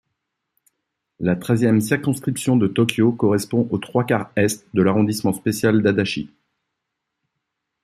La Treizième circonscription de Tōkyō correspond aux trois quarts Est de l'arrondissement spécial d'Adachi.